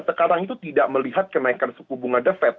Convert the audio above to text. sekarang itu tidak melihat kenaikan suku bunga the fed